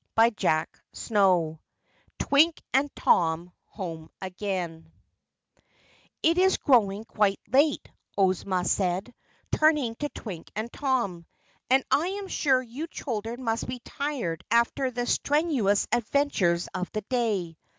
CHAPTER 26 Twink and Tom Home Again "It is growing quite late," Ozma said, turning to Twink and Tom. "And I am sure you children must be tired after the strenuous adventures of the day."